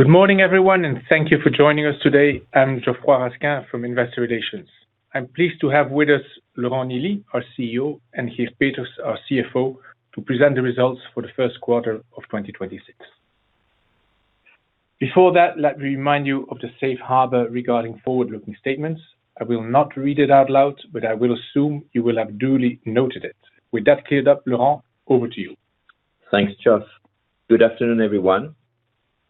Good morning everyone, thank you for joining us today. I'm Geoffroy Raskin from Investor Relations. I'm pleased to have with us Laurent Nielly, our CEO, and Geert Peeters, our CFO, to present the results for the first quarter of 2026. Let me remind you of the safe harbor regarding forward-looking statements. I will not read it out loud, I will assume you will have duly noted it. With that cleared up, Laurent, over to you. Thanks, Geoff. Good afternoon, everyone.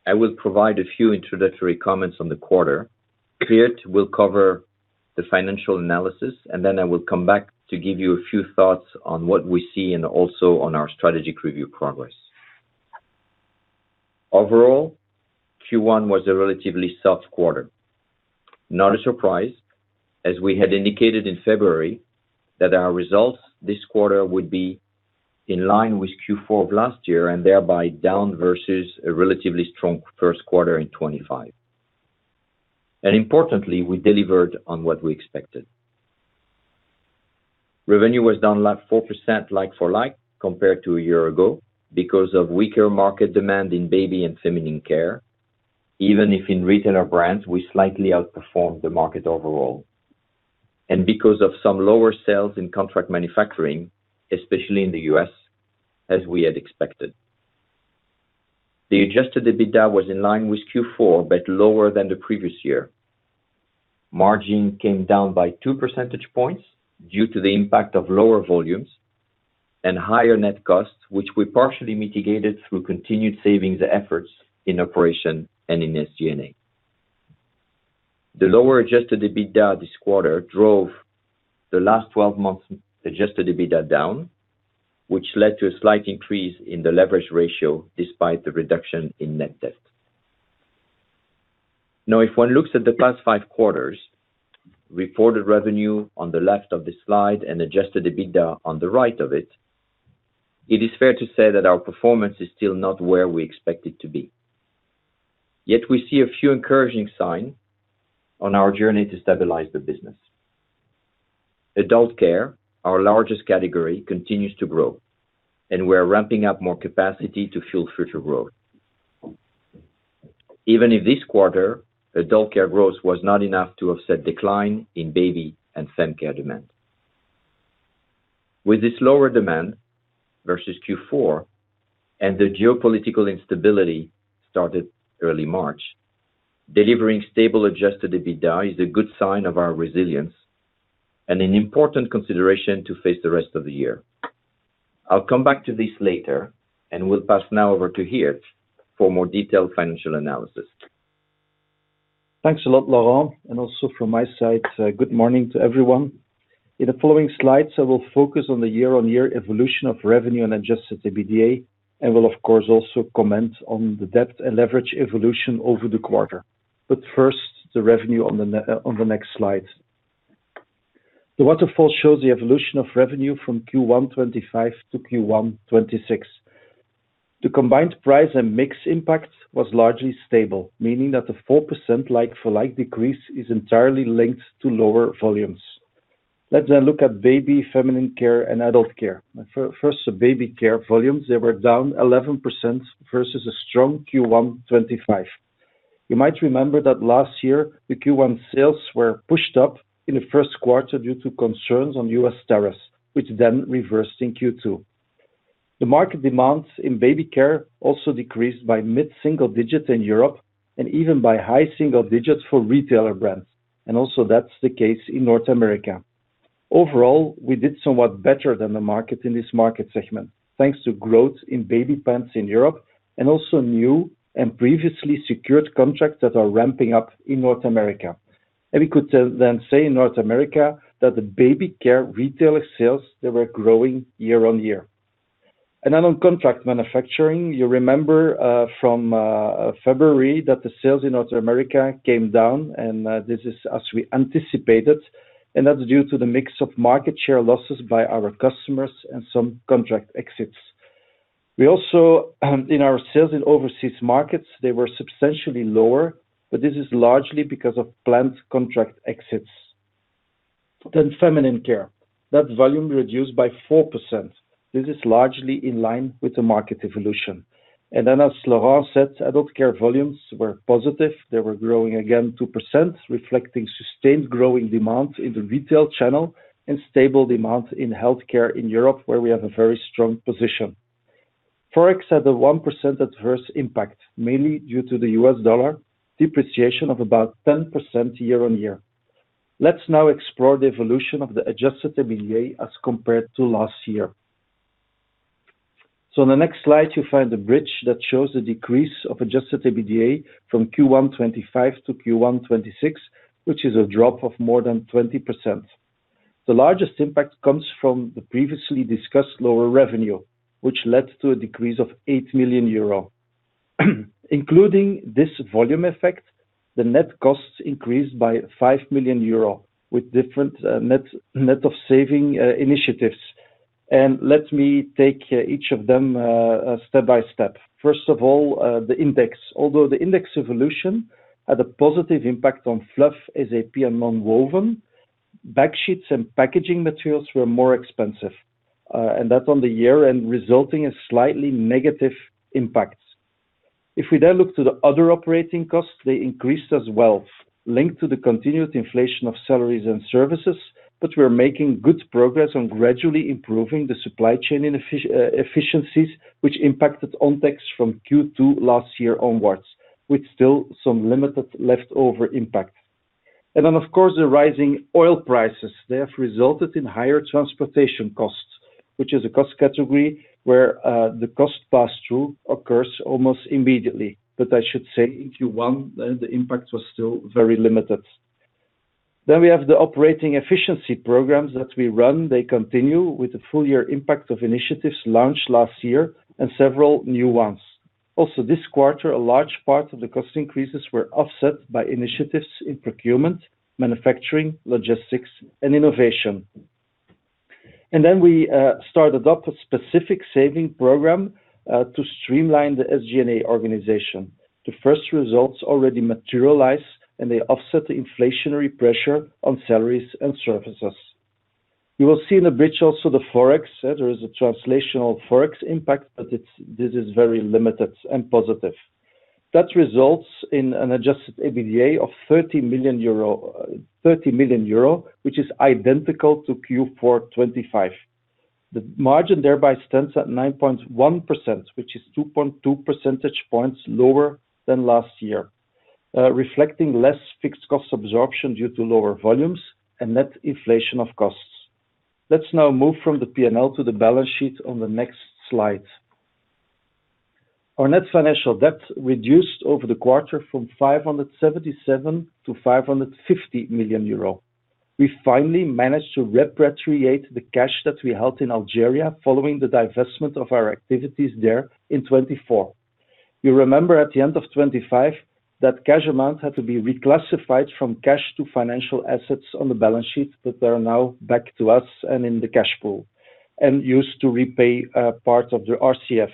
I will provide a few introductory comments on the quarter. Geert will cover the financial analysis, and then I will come back to give you a few thoughts on what we see and also on our strategic review progress. Overall, Q1 was a relatively soft quarter. Not a surprise, as we had indicated in February that our results this quarter would be in line with Q4 of last year and thereby down versus a relatively strong first quarter in 2025. Importantly, we delivered on what we expected. Revenue was down like 4% like-for-like compared to a year ago because of weaker market demand in baby and feminine care, even if in retailer brands, we slightly outperformed the market overall, and because of some lower sales in contract manufacturing, especially in the U.S., as we had expected. The adjusted EBITDA was in line with Q4, but lower than the previous year. Margin came down by two percentage points due to the impact of lower volumes and higher net costs, which we partially mitigated through continued savings efforts in operation and in SG&A. The lower adjusted EBITDA this quarter drove the last 12 months adjusted EBITDA down, which led to a slight increase in the leverage ratio despite the reduction in net financial debt. Now, if one looks at the past five quarters, reported revenue on the left of the slide and adjusted EBITDA on the right of it is fair to say that our performance is still not where we expect it to be. Yet we see a few encouraging sign on our journey to stabilize the business. Adult care, our largest category, continues to grow, and we are ramping up more capacity to fuel future growth. This quarter, adult care growth was not enough to offset decline in baby and fem care demand. With this lower demand versus Q4 and the geopolitical instability started early March, delivering stable adjusted EBITDA is a good sign of our resilience and an important consideration to face the rest of the year. I'll come back to this later, and we'll pass now over to Geert for more detailed financial analysis. Thanks a lot, Laurent. Also from my side, good morning to everyone. In the following slides, I will focus on the year-over-year evolution of revenue and adjusted EBITDA, and will, of course, also comment on the debt and leverage evolution over the quarter. First, the revenue on the next slide. The waterfall shows the evolution of revenue from Q1 2025 to Q1 2026. The combined price and mix impact was largely stable, meaning that the 4% like-for-like decrease is entirely linked to lower volumes. Let's then look at baby care, feminine care, and adult care. First, the baby care volumes, they were down 11% versus a strong Q1 2025. You might remember that last year, the Q1 sales were pushed up in the first quarter due to concerns on U.S. tariffs, which then reversed in Q2. The market demands in baby care also decreased by mid-single digits in Europe and even by high single digits for retailer brands. Also that's the case in North America. Overall, we did somewhat better than the market in this market segment, thanks to growth in baby pants in Europe and also new and previously secured contracts that are ramping up in North America. We could then say in North America that the baby care retailer sales, they were growing year-on-year. On contract manufacturing, you remember from February that the sales in North America came down, this is as we anticipated, and that's due to the mix of market share losses by our customers and some contract exits. We also, in our sales in overseas markets, they were substantially lower, but this is largely because of plant contract exits. Feminine care, that volume reduced by 4%. This is largely in line with the market evolution. As Laurent said, adult care volumes were positive. They were growing again 2%, reflecting sustained growing demand in the retail channel and stable demand in healthcare in Europe, where we have a very strong position. Forex had a 1% adverse impact, mainly due to the U.S. dollar depreciation of about 10% year on year. Let's now explore the evolution of the adjusted EBITDA as compared to last year. In the next slide, you find the bridge that shows the decrease of adjusted EBITDA from Q1 2025 to Q1 2026, which is a drop of more than 20%. The largest impact comes from the previously discussed lower revenue, which led to a decrease of 8 million euro. Including this volume effect, the net costs increased by 5 million euro with different net of saving initiatives. Let me take each of them step by step. First of all, the index. Although the index evolution had a positive impact on fluff, SAP and nonwoven backsheets and packaging materials were more expensive, and that's on the year end resulting in slightly negative impacts. If we then look to the other operating costs, they increased as well, linked to the continued inflation of salaries and services, but we're making good progress on gradually improving the supply chain efficiencies, which impacted Ontex from Q2 last year onwards, with still some limited leftover impact. Then, of course, the rising oil prices. They have resulted in higher transportation costs, which is a cost category where the cost pass-through occurs almost immediately. I should say in Q1, the impact was still very limited. We have the operating efficiency programs that we run. They continue with the full year impact of initiatives launched last year and several new ones. Also, this quarter, a large part of the cost increases were offset by initiatives in procurement, manufacturing, logistics, and innovation. We started up a specific saving program to streamline the SG&A organization. The first results already materialize, and they offset the inflationary pressure on salaries and services. You will see in the bridge also the Forex. There is a translational Forex impact, but this is very limited and positive. That results in an adjusted EBITDA of 30 million euro, which is identical to Q4 2025. The margin thereby stands at 9.1%, which is 2.2 percentage points lower than last year, reflecting less fixed cost absorption due to lower volumes and net inflation of costs. Let's now move from the P&L to the balance sheet on the next slide. Our net financial debt reduced over the quarter from 577 million to 550 million euro. We finally managed to repatriate the cash that we held in Algeria following the divestment of our activities there in 2024. You remember at the end of 2025, that cash amount had to be reclassified from cash to financial assets on the balance sheet, they are now back to us and in the cash pool and used to repay part of the RCF.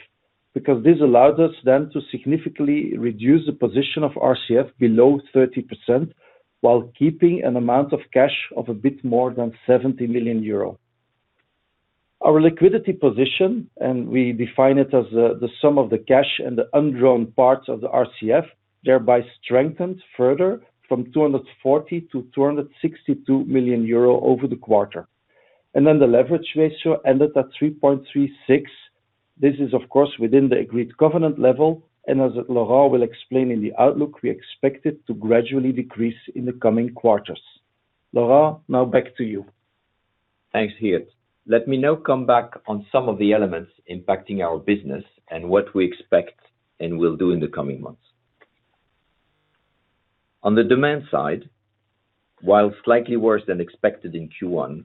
This allowed us then to significantly reduce the position of RCF below 30% while keeping an amount of cash of a bit more than 70 million euro. Our liquidity position, and we define it as the sum of the cash and the undrawn parts of the RCF, thereby strengthened further from 240 million to 262 million euro over the quarter. The leverage ratio ended at 3.36x. This is, of course, within the agreed covenant level, and as Laurent will explain in the outlook, we expect it to gradually decrease in the coming quarters. Laurent, now back to you. Thanks, Geert. Let me now come back on some of the elements impacting our business and what we expect and will do in the coming months. Demand side, while slightly worse than expected in Q1,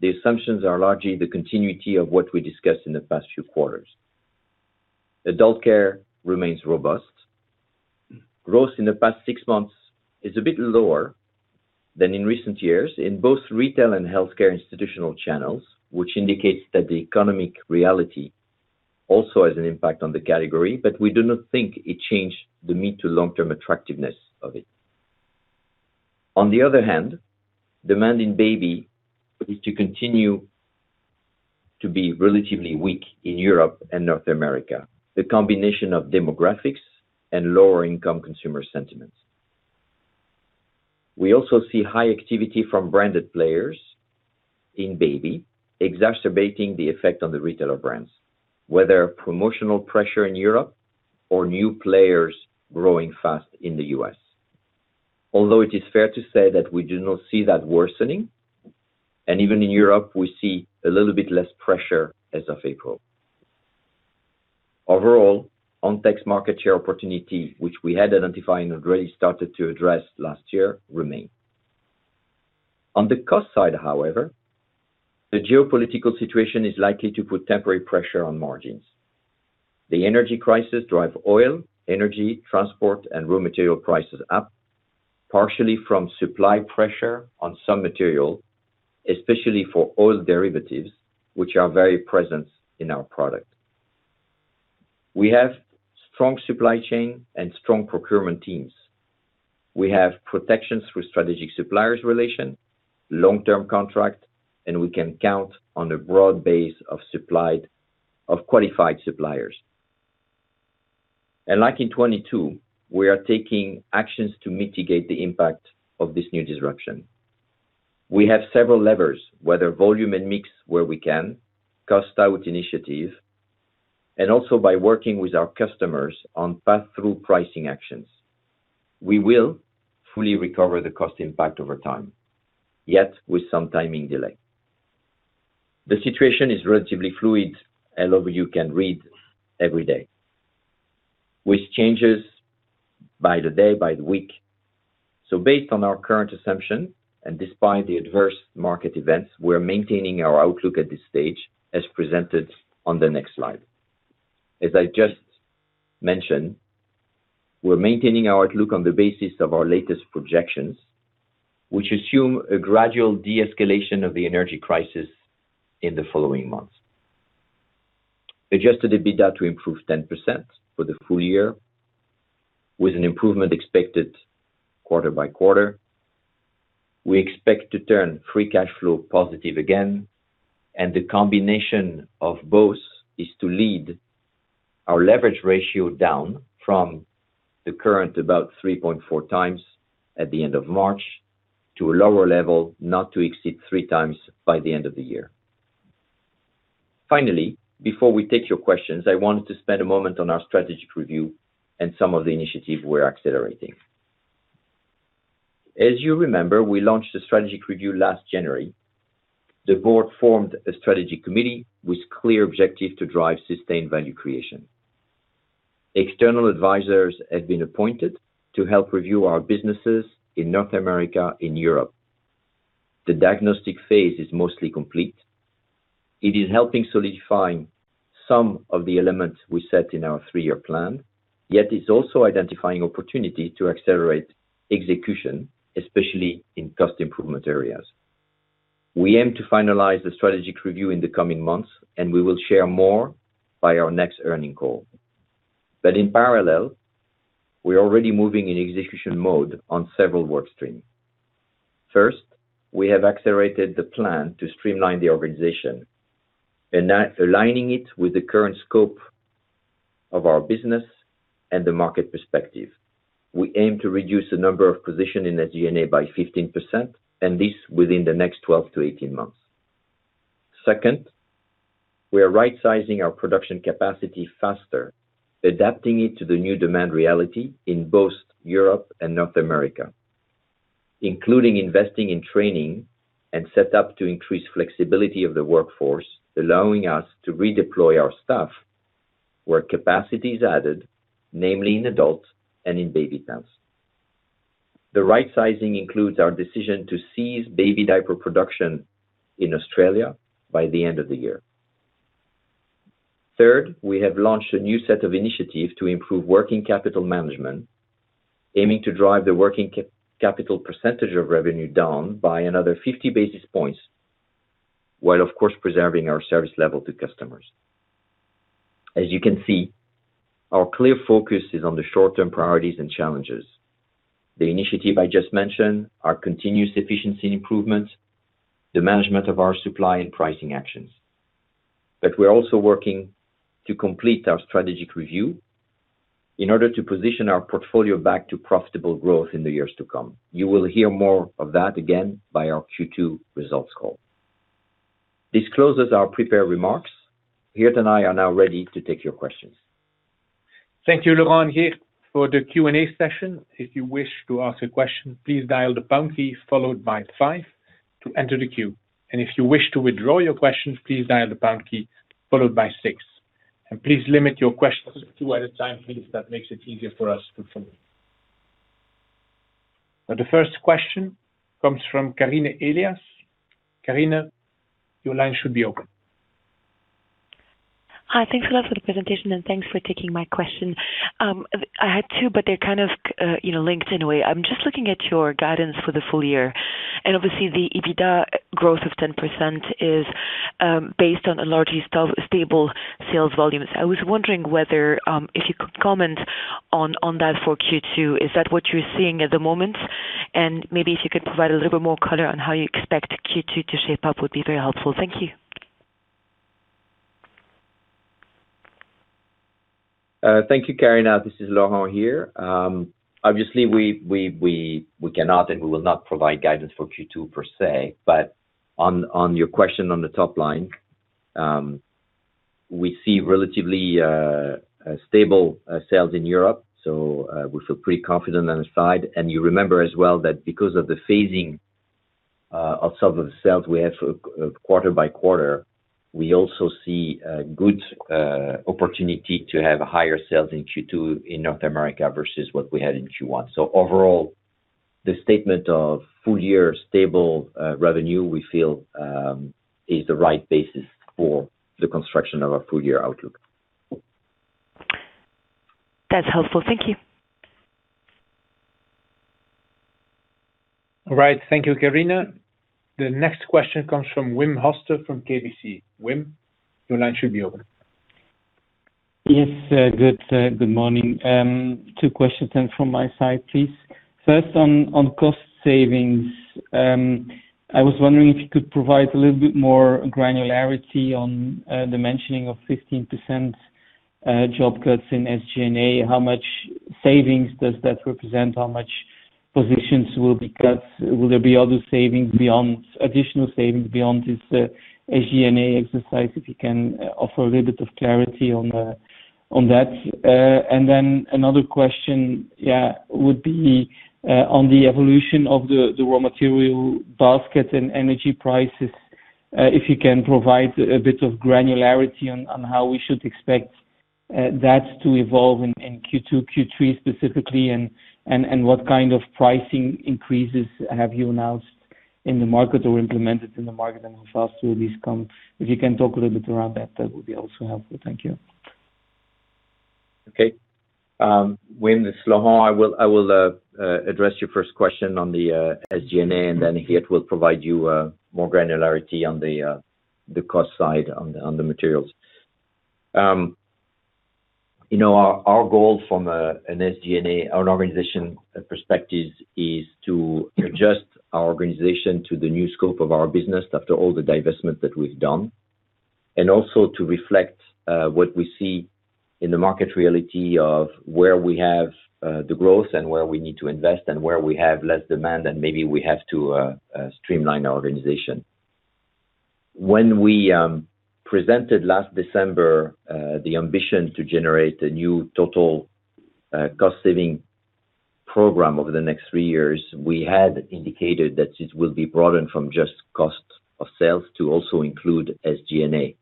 the assumptions are largely the continuity of what we discussed in the past few quarters. Adult care remains robust. Growth in the past six months is a bit lower than in recent years in both retail and healthcare institutional channels, which indicates that the economic reality also has an impact on the category, but we do not think it changed the mid to long-term attractiveness of it. On the other hand, demand in baby is to continue to be relatively weak in Europe and North America, the combination of demographics and lower income consumer sentiments. We also see high activity from branded players in baby, exacerbating the effect on the retailer brands, whether promotional pressure in Europe or new players growing fast in the U.S. It is fair to say that we do not see that worsening, and even in Europe, we see a little bit less pressure as of April. Overall, Ontex market share opportunity, which we had identified and already started to address last year, remain. On the cost side, however, the geopolitical situation is likely to put temporary pressure on margins. The energy crisis drive oil, energy, transport, and raw material prices up, partially from supply pressure on some material, especially for oil derivatives, which are very present in our product. We have strong supply chain and strong procurement teams. We have protections through strategic supplier relations, long-term contracts, we can count on a broad base of qualified suppliers. Like in 2022, we are taking actions to mitigate the impact of this new disruption. We have several levers, whether volume and mix where we can, cost-out initiatives, also by working with our customers on pass-through pricing actions. We will fully recover the cost impact over time, yet with some timing delay. The situation is relatively fluid, our view can change every day, which changes by the day, by the week. Based on our current assumption, despite the adverse market events, we're maintaining our outlook at this stage as presented on the next slide. As I just mentioned, we're maintaining our outlook on the basis of our latest projections, which assume a gradual de-escalation of the energy crisis in the following months. Adjusted EBITDA to improve 10% for the full year, with an improvement expected quarter by quarter. We expect to turn free cash flow positive again, and the combination of both is to lead our leverage ratio down from the current about 3.4x at the end of March to a lower level, not to exceed 3x by the end of the year. Before we take your questions, I wanted to spend a moment on our strategic review and some of the initiatives we're accelerating. As you remember, we launched a strategic review last January. The board formed a strategy committee with clear objective to drive sustained value creation. External advisors have been appointed to help review our businesses in North America and Europe. The diagnostic phase is mostly complete. It is helping solidifying some of the elements we set in our three-year plan. It's also identifying opportunity to accelerate execution, especially in cost improvement areas. We aim to finalize the strategic review in the coming months, and we will share more by our next earnings call. In parallel, we are already moving in execution mode on several work stream. First, we have accelerated the plan to streamline the organization and aligning it with the current scope of our business and the market perspective. We aim to reduce the number of position in SG&A by 15%, and this within the next 12-18 months. Second, we are right-sizing our production capacity faster, adapting it to the new demand reality in both Europe and North America, including investing in training and set up to increase flexibility of the workforce, allowing us to redeploy our staff where capacity is added, namely in adult and in baby pants. The right-sizing includes our decision to cease baby diaper production in Australia by the end of the year. Third, we have launched a new set of initiatives to improve working capital management, aiming to drive the working capital percentage of revenue down by another 50 basis points, while of course, preserving our service level to customers. As you can see, our clear focus is on the short term priorities and challenges. The initiative I just mentioned, our continuous efficiency improvements, the management of our supply and pricing actions. We're also working to complete our strategic review in order to position our portfolio back to profitable growth in the years to come. You will hear more of that again by our Q2 results call. This closes our prepared remarks. Geert and I are now ready to take your questions. Thank you, Laurent. Geert for the Q&A session. If you wish to ask a question, please dial the pound key followed by five to enter the queue. If you wish to withdraw your question, please dial the pound key followed by six. Please limit your questions two at a time, please. That makes it easier for us to follow. The first question comes from Karine Elias. Karine, your line should be open. Hi, thanks a lot for the presentation. Thanks for taking my question. I had two, they're kind of, you know, linked in a way. I'm just looking at your guidance for the full year, obviously, the EBITDA growth of 10% is based on a largely stable sales volume. I was wondering whether if you could comment on that for Q2. Is that what you're seeing at the moment? Maybe if you could provide a little bit more color on how you expect Q2 to shape up would be very helpful. Thank you. Thank you, Karine. This is Laurent here. Obviously, we cannot, and we will not provide guidance for Q2 per se. On your question on the top line, we see relatively stable sales in Europe. We feel pretty confident on this side. You remember as well that because of the phasing of some of the sales we have quarter by quarter, we also see a good opportunity to have higher sales in Q2 in North America versus what we had in Q1. Overall, the statement of full year stable revenue, we feel, is the right basis for the construction of our full year outlook. That's helpful. Thank you. All right. Thank you, Karine. The next question comes from Wim Hoste, from KBC. Wim, your line should be open. Yes. Good morning. Two questions from my side, please. First, on cost savings, I was wondering if you could provide a little bit more granularity on the mentioning of 15% job cuts in SG&A. How much savings does that represent? How many positions will be cut? Will there be other additional savings beyond this SG&A exercise? If you can offer a little bit of clarity on that. Another question would be on the evolution of the raw material basket and energy prices. If you can provide a bit of granularity on how we should expect that to evolve in Q2, Q3 specifically, and what kind of pricing increases have you announced in the market or implemented in the market, and how fast will these come? If you can talk a little bit around that would be also helpful. Thank you. Okay. Wim, this is Laurent. I will address your first question on the SG&A. Geert will provide you more granularity on the cost side on the materials. You know, our goal from SG&A, our organization perspective is to adjust our organization to the new scope of our business after all the divestment that we've done, to reflect what we see in the market reality of where we have the growth and where we need to invest and where we have less demand and maybe we have to streamline our organization. When we presented last December, the ambition to generate a new total cost saving program over the next three years, we had indicated that it will be broadened from just cost of sales to also include SG&A.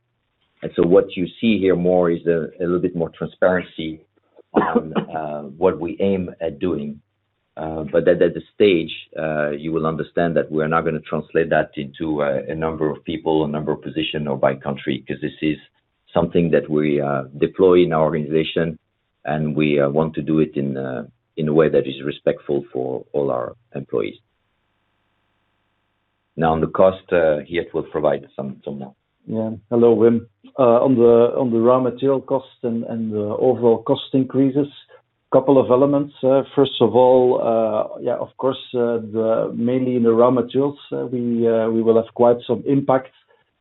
What you see here more is a little bit more transparency on what we aim at doing. At this stage, you will understand that we are not gonna translate that into a number of people, a number of position or by country, 'cause this is something that we deploy in our organization, and we want to do it in a way that is respectful for all our employees. Now, on the cost, Geert will provide some more. Yeah. Hello, Wim. On the raw material cost and the overall cost increases, couple of elements. First of all, of course, mainly in the raw materials, we will have quite some impact.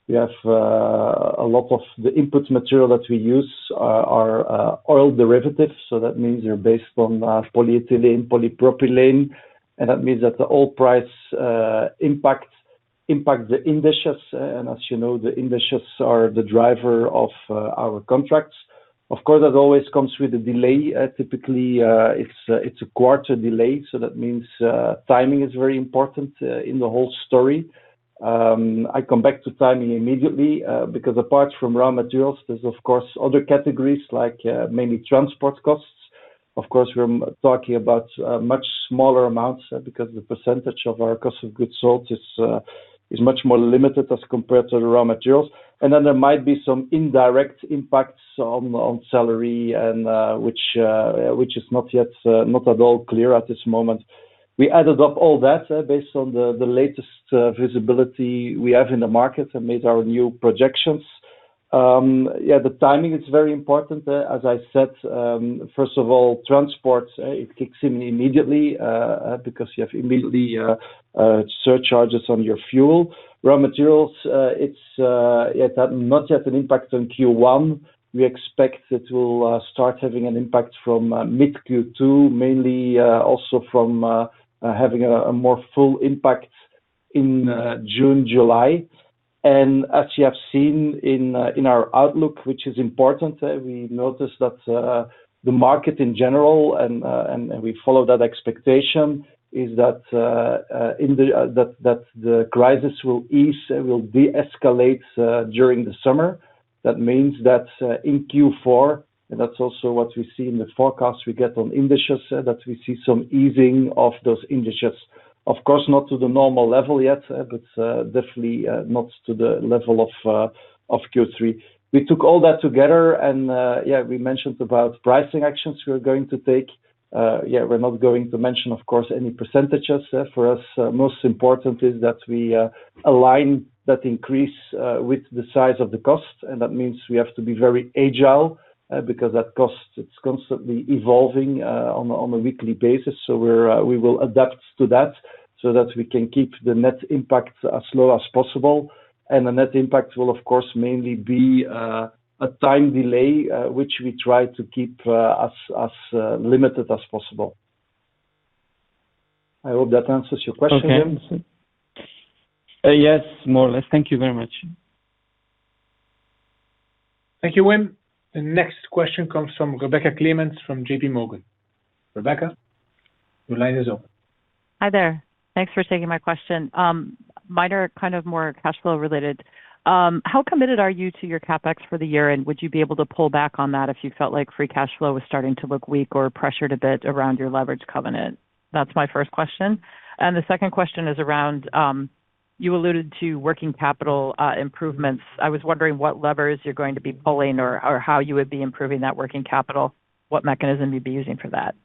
We have a lot of the input material that we use are oil derivatives, so that means they're based on polyethylene, polypropylene, that means that the oil price impact the indices. As you know, the indices are the driver of our contracts. Of course, that always comes with a delay. Typically, it's a quarter delay, that means timing is very important in the whole story. I come back to timing immediately, because apart from raw materials, there's of course other categories like mainly transport costs. Of course, we're talking about much smaller amounts, because the percentage of our cost of goods sold is much more limited as compared to the raw materials. There might be some indirect impacts on salary and, which is not yet not at all clear at this moment. We added up all that, based on the latest visibility we have in the market and made our new projections. Yeah, the timing is very important. As I said, first of all, transport, it kicks in immediately, because you have immediately surcharges on your fuel. Raw materials, it had not yet an impact on Q1. We expect it will start having an impact from mid Q2, mainly also from having a more full impact in June, July. As you have seen in our outlook, which is important, we noticed that the market in general and we follow that expectation, is that in the crisis will ease, will deescalate during the summer. That means that in Q4, and that's also what we see in the forecast we get on indices, that we see some easing of those indices. Of course, not to the normal level yet, but definitely not to the level of Q3. We took all that together and we mentioned about pricing actions we are going to take. Yeah, we're not going to mention, of course, any percentages. For us, most important is that we align that increase with the size of the cost, and that means we have to be very agile, because that cost, it's constantly evolving on a weekly basis. We will adapt to that so that we can keep the net impact as low as possible. The net impact will of course mainly be a time delay, which we try to keep as limited as possible. I hope that answers your question, Wim. Okay. Yes, more or less. Thank you very much. Thank you, Wim. The next question comes from Rebecca Clements from JPMorgan. Rebecca, your line is open. Hi there. Thanks for taking my question. Mine are kind of more cash flow related. How committed are you to your CapEx for the year, would you be able to pull back on that if you felt like free cash flow was starting to look weak or pressured a bit around your leverage covenant? That's my first question. The second question is around, you alluded to working capital improvements. I was wondering what levers you're going to be pulling or how you would be improving that working capital, what mechanism you'd be using for that?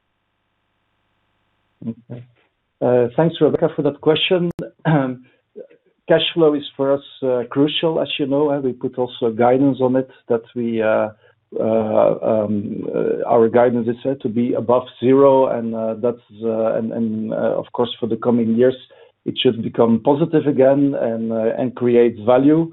Okay. Thanks, Rebecca, for that question. Cash flow is, for us, crucial, as you know. We put also guidance on it that our guidance is set to be above zero. Of course, for the coming years, it should become positive again and create value.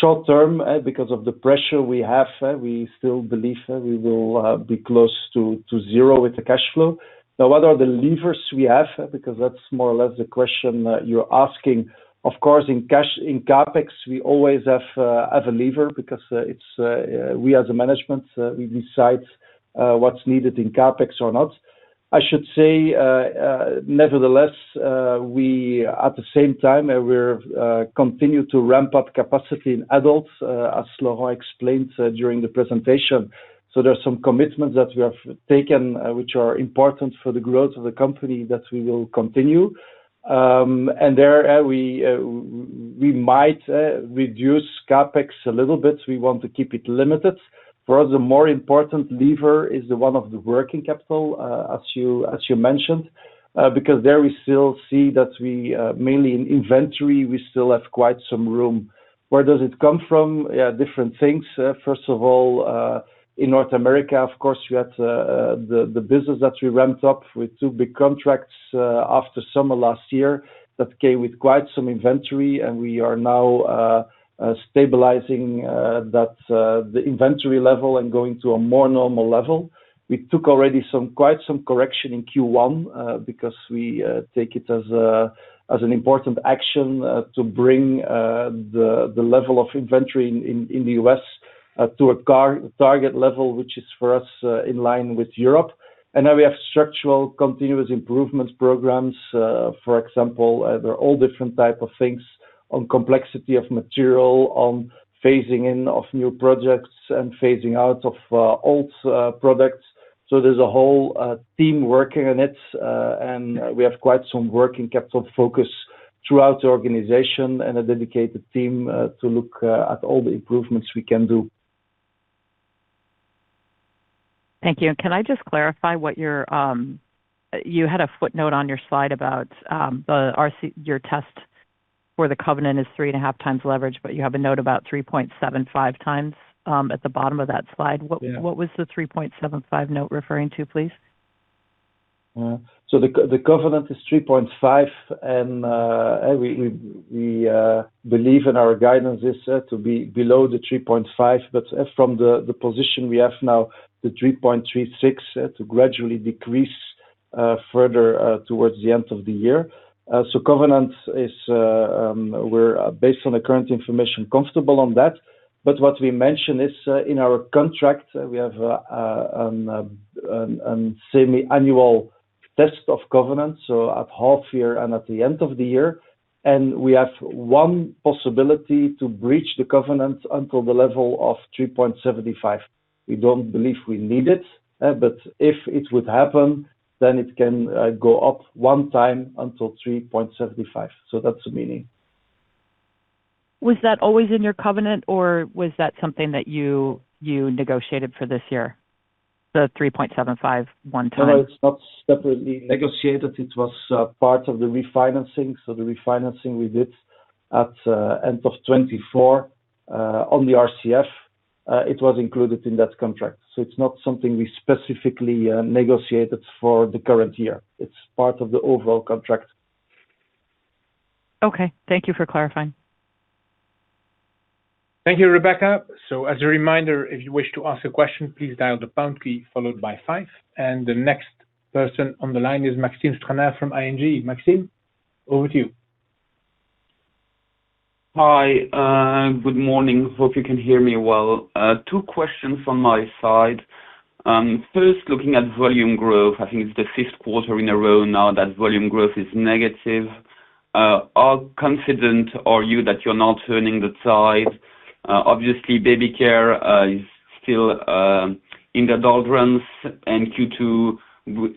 Short term, because of the pressure we have, we still believe we will be close to zero with the cash flow. Now, what are the levers we have? Because that's more or less the question you're asking. Of course, in cash, in CapEx, we always have a lever because it's we as a management, we decide what's needed in CapEx or not. I should say, nevertheless, we, at the same time, we're continue to ramp up capacity in adults, as Laurent explained during the presentation. There's some commitments that we have taken, which are important for the growth of the company that we will continue. There, we might reduce CapEx a little bit. We want to keep it limited. For us, the more important lever is the one of the working capital, as you mentioned, because there we still see that we mainly in inventory, we still have quite some room. Where does it come from? Yeah, different things. First of all, in North America, of course, we had the business that we ramped up with two big contracts after summer last year that came with quite some inventory, and we are now stabilizing that the inventory level and going to a more normal level. We took already quite some correction in Q1 because we take it as an important action to bring the level of inventory in the U.S. to a target level, which is for us in line with Europe. Now we have structural continuous improvements programs. For example, they're all different type of things on complexity of material, on phasing in of new projects and phasing out of old products. There's a whole team working on it, and we have quite some working capital focus throughout the organization and a dedicated team to look at all the improvements we can do. Thank you. Can I just clarify? You had a footnote on your slide about the RCF, your test where the covenant is 3.5x leverage, but you have a note about 3.75x at the bottom of that slide. Yeah. What was the 3.75x note referring to, please? The covenant is 3.5x, we believe in our guidance to be below the 3.5x. From the position we have now, the 3.36x, to gradually decrease further towards the end of the year. Covenants, we're based on the current information comfortable on that. What we mentioned is in our contract, we have semi-annual test of covenants, so at half year and at the end of the year. We have one possibility to breach the covenant until the level of 3.75x. We don't believe we need it, if it would happen, then it can go up one time until 3.75x. That's the meaning. Was that always in your covenant or was that something that you negotiated for this year, the 3.75x one time? No, it's not separately negotiated. It was part of the refinancing. The refinancing we did at end of 2024 on the RCF, it was included in that contract. It's not something we specifically negotiated for the current year. It's part of the overall contract. Okay. Thank you for clarifying. Thank you, Rebecca. As a reminder, if you wish to ask a question, please dial the pound key followed by five. The next person on the line is Maxime Stranart from ING. Maxime, over to you. Hi. Good morning. Hope you can hear me well. Two questions from my side. First, looking at volume growth, I think it's the fifth quarter in a row now that volume growth is negative. How confident are you that you're now turning the tide? Obviously baby care is still in the doldrums in Q2.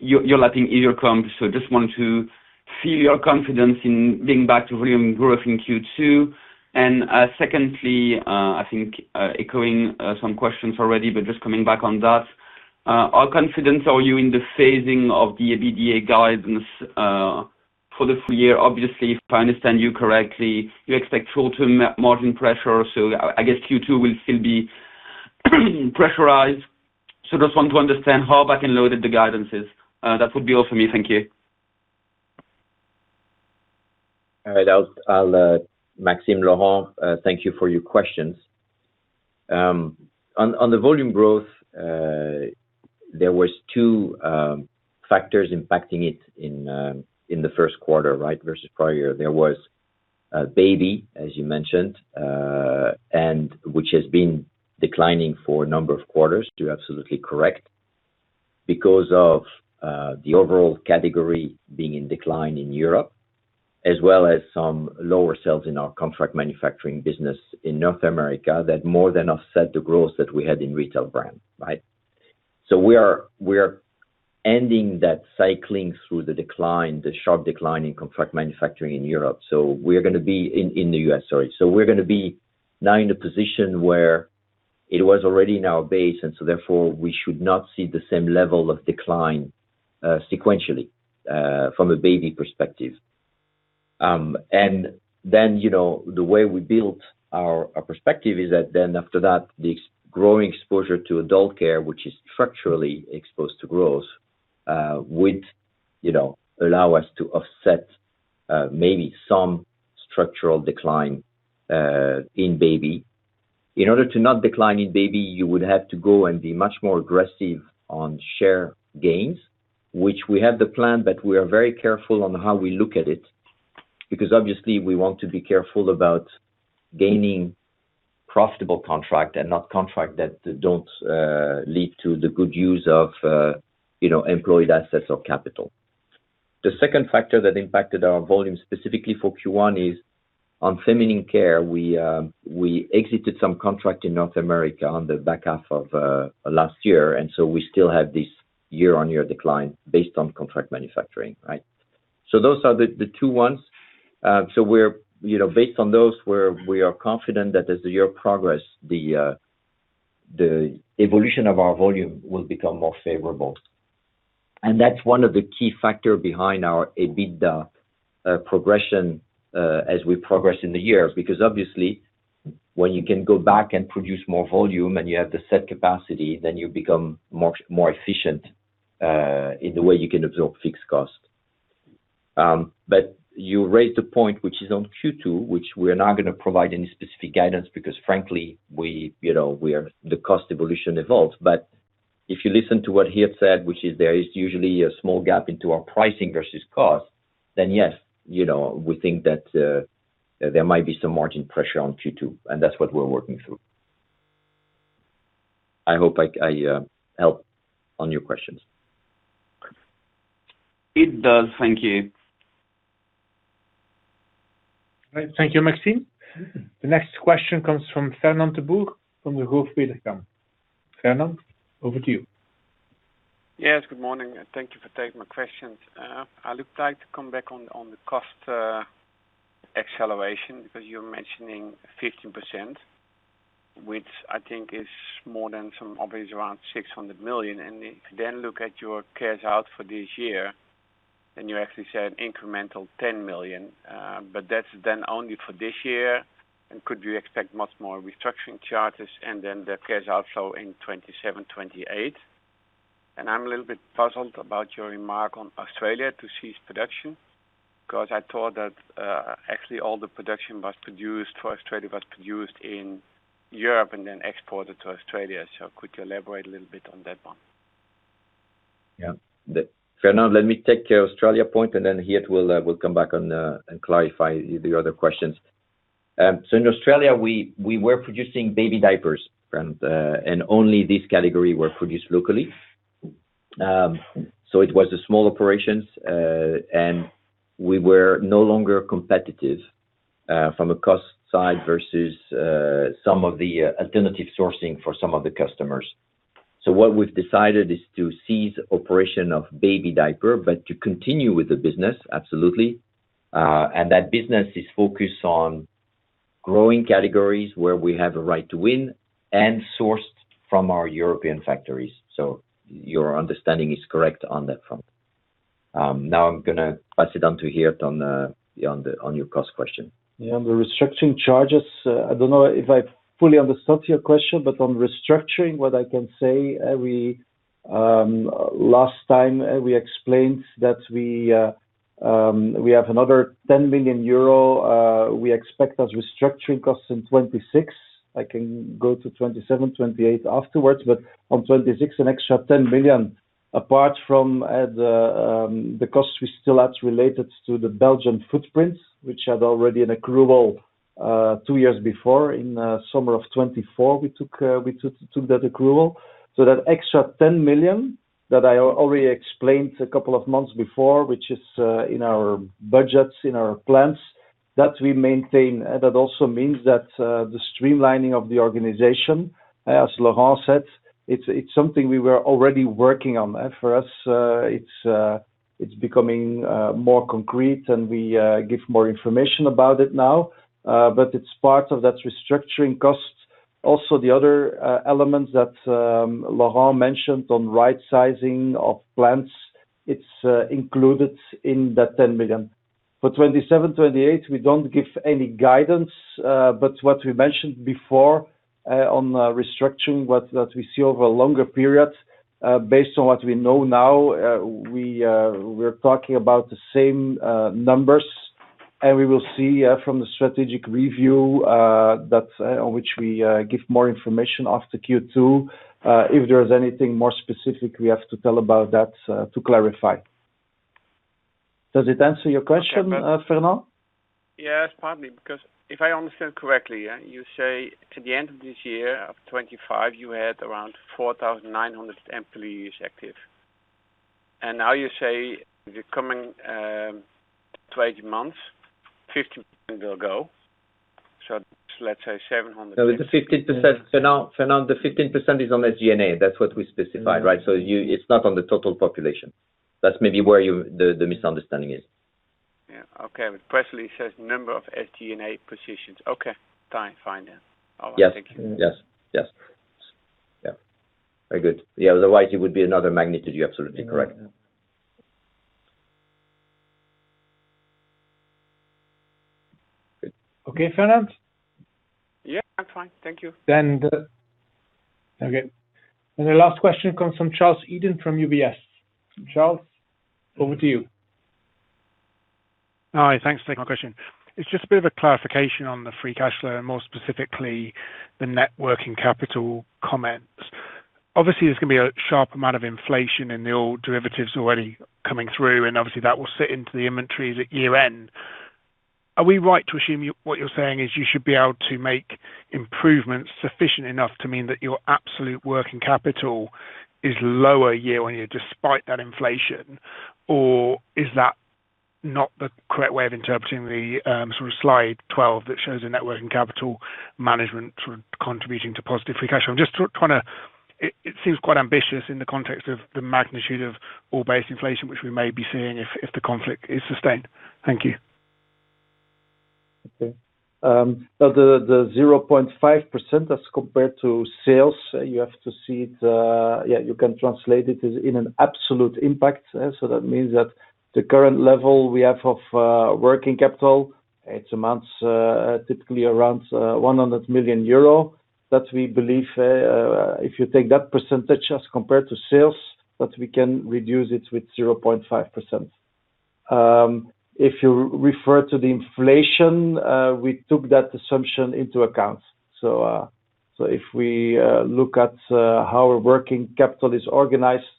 You're lacking ear comps, just want to feel your confidence in being back to volume growth in Q2. Secondly, I think echoing some questions already, just coming back on that, how confident are you in the phasing of the EBITDA guidance for the full year? Obviously, if I understand you correctly, you expect full year margin pressure, I guess Q2 will still be pressurized. Just want to understand how back and loaded the guidance is. That would be all for me. Thank you. All right. Maxime, Laurent, thank you for your questions. On the volume growth, there was two factors impacting it in the first quarter, right? Versus prior year. There was baby, as you mentioned, and which has been declining for a number of quarters to absolutely correct because of the overall category being in decline in Europe, as well as some lower sales in our contract manufacturing business in North America that more than offset the growth that we had in retail brand, right? We are ending that cycling through the decline, the sharp decline in contract manufacturing in Europe. In the U.S., sorry. We're gonna be now in a position where it was already in our base, and so therefore, we should not see the same level of decline, sequentially, from a baby perspective. The way we built our perspective is that then after that, the ex- growing exposure to adult care, which is structurally exposed to growth, would, you know, allow us to offset, maybe some structural decline, in baby. In order to not decline in baby, you would have to go and be much more aggressive on share gains, which we have the plan, but we are very careful on how we look at it because obviously, we want to be careful about gaining profitable contract and not contract that don't lead to the good use of, you know, employed assets or capital. The second factor that impacted our volume specifically for Q1 is on feminine care, we exited some contract in North America on the back half of last year, we still have this year-on-year decline based on contract manufacturing, right? Those are the two ones. We're, you know, based on those where we are confident that as the year progress, the evolution of our volume will become more favorable. That's one of the key factor behind our EBITDA progression as we progress in the year. Obviously, when you can go back and produce more volume and you have the set capacity, then you become more efficient in the way you can absorb fixed cost. You raised a point which is on Q2, which we're not gonna provide any specific guidance because frankly, we, you know, we are the cost evolution evolves. If you listen to what Geert said, which is there is usually a small gap into our pricing versus cost, then yes, you know, we think that there might be some margin pressure on Q2, and that's what we're working through. I hope I helped on your questions. It does. Thank you. All right. Thank you, Maxime. The next question comes from Fernand De Boer from Degroof Petercam. Fernand, over to you. Yes. Good morning, and thank you for taking my questions. I would like to come back on the cost acceleration because you're mentioning 15%, which I think is more than some average around 600 million. If you then look at your cash out for this year, you actually said incremental 10 million, but that's then only for this year. Could you expect much more restructuring charges and then the cash outflow in 2027, 2028? I'm a little bit puzzled about your remark on Australia to cease production because I thought that actually all the production was produced for Australia, was produced in Europe and then exported to Australia. Could you elaborate a little bit on that one? Yeah. Fernand, let me take your Australia point, then Geert will come back on and clarify the other questions. In Australia, we were producing baby diapers, friend, only this category were produced locally. It was a small operation, we were no longer competitive from a cost side versus some of the alternative sourcing for some of the customers. What we've decided is to cease operation of baby diaper, to continue with the business, absolutely. That business is focused on growing categories where we have a right to win and sourced from our European factories. Your understanding is correct on that front. Now I'm gonna pass it on to Geert on your cost question. Yeah. On the restructuring charges, I don't know if I fully understood your question, but on restructuring, what I can say, we, last time, we explained that we have another 10 million euro we expect as restructuring costs in 2026. I can go to 2027, 2028 afterwards, but on 2026, an extra 10 million apart from the cost we still had related to the Belgian footprint, which had already an accrual two years before. In summer of 2024, we took that accrual. That extra 10 million that I already explained a couple of months before, which is in our budgets, in our plans, that we maintain. That also means that the streamlining of the organization, as Laurent said, it's something we were already working on. For us, it's becoming more concrete, and we give more information about it now. It's part of that restructuring cost. Also, the other elements that Laurent mentioned on right sizing of plants, it's included in that 10 million. For 2027, 2028, we don't give any guidance, what we mentioned before on the restructuring, what we see over a longer period, based on what we know now, we're talking about the same numbers. We will see from the strategic review that on which we give more information after Q2, if there's anything more specific we have to tell about that to clarify. Does it answer your question, Fernand? Yes, partly, because if I understand correctly, you say at the end of this year, of 2025, you had around 4,900 employees active. Now you say the coming 12 months, 15% will go. Let's say 700. No, it's a 15%. Fernand, the 15% is on SG&A. That's what we specified, right? It's not on the total population. That's maybe where the misunderstanding is. Yeah. Okay. Firstly, it says number of SG&A positions. Okay. Fine. Fine then. All right. Thank you. Yes. Yes. Yes. Yeah. Very good. Yeah. Otherwise, it would be another magnitude. You're absolutely correct. Okay, Fernand? Yeah. I'm fine. Thank you. Okay. The last question comes from Charles Eden from UBS. Charles, over to you. Hi. Thanks for taking my question. It's just a bit of a clarification on the free cash flow and more specifically, the working capital comments. Obviously, there's gonna be a sharp amount of inflation in the oil derivatives already coming through, and obviously, that will sit into the inventories at year end. Are we right to assume what you're saying is you should be able to make improvements sufficient enough to mean that your absolute working capital is lower year on year despite that inflation? Is that not the correct way of interpreting the sort of slide 12 that shows the working capital management sort of contributing to positive free cash flow? I'm just kinda, it seems quite ambitious in the context of the magnitude of oil-based inflation, which we may be seeing if the conflict is sustained. Thank you. Okay. The 0.5% as compared to sales, you have to see it. You can translate it as in an absolute impact. That means that the current level we have of working capital, it amounts typically around 100 million euro that we believe, if you take that percentage as compared to sales, that we can reduce it with 0.5%. If you refer to the inflation, we took that assumption into account. If we look at how our working capital is organized,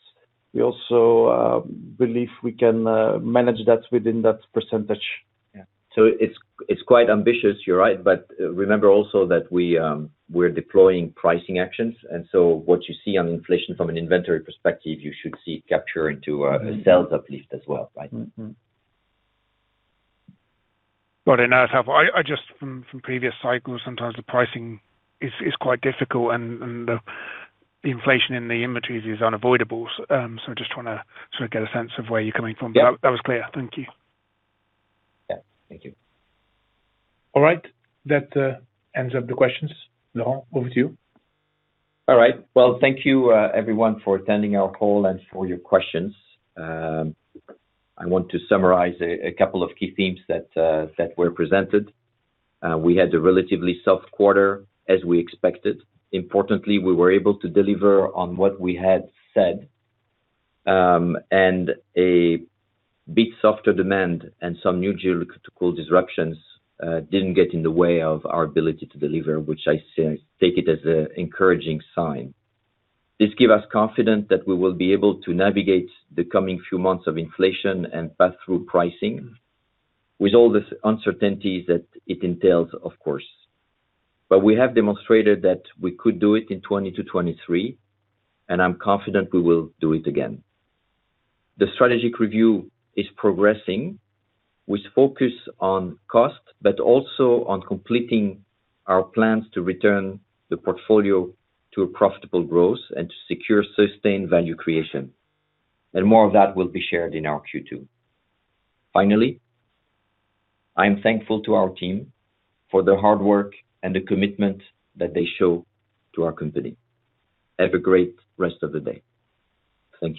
we also believe we can manage that within that percentage. Yeah. It's quite ambitious, you're right. Remember also that we're deploying pricing actions, and so what you see on inflation from an inventory perspective, you should see it capture into sales uplift as well, right? Mm-hmm. Got it. I just from previous cycles, sometimes the pricing is quite difficult and the inflation in the inventories is unavoidable. I'm just trying to sort of get a sense of where you're coming from. Yeah. That was clear. Thank you. Yeah. Thank you. All right. That ends up the questions. Laurent, over to you. All right. Well, thank you, everyone for attending our call and for your questions. I want to summarize a couple of key themes that were presented. We had a relatively soft quarter as we expected. Importantly, we were able to deliver on what we had said, and a bit softer demand and some new geopolitical disruptions didn't get in the way of our ability to deliver, which I take it as an encouraging sign. This gives us confidence that we will be able to navigate the coming few months of inflation and pass through pricing with all the uncertainties that it entails, of course. We have demonstrated that we could do it in 2020 to 2023, and I'm confident we will do it again. The strategic review is progressing with focus on cost, but also on completing our plans to return the portfolio to a profitable growth and to secure sustained value creation. More of that will be shared in our Q2. Finally, I am thankful to our team for their hard work and the commitment that they show to our company. Have a great rest of the day. Thank you.